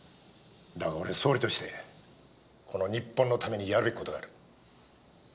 だが俺は総理としてこの日本のためにやるべき事がある。